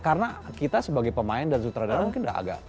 karena kita sebagai pemain dan sutradara mungkin agak terbiasa kali ya